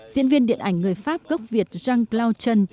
diễn viên điện ảnh người pháp gốc việt jean claude chen